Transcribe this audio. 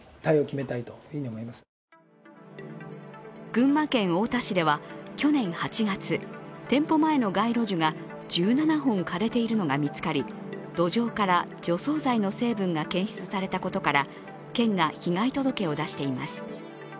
群馬県太田市では去年８月、店舗前の街路樹が１７本枯れているのが見つかり、土壌から除草剤の成分が検出されたことから、県が被害届を出しています。